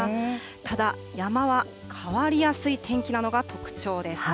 ただ山は、変わりやすい天気なのが特徴です。